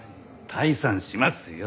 退散しますよ。